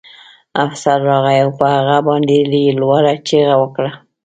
افسر راغی او په هغه باندې یې لوړه چیغه وکړه